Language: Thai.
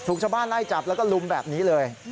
ชาวบ้านไล่จับแล้วก็ลุมแบบนี้เลย